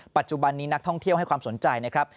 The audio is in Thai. ปัจจุบันนี้นักท่องเที่ยวให้ความสนใจนะครับ